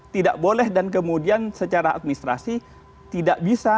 tidak boleh dan kemudian secara administrasi tidak bisa